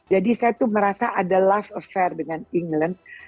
jadi saya tuh merasa ada life affair dengan england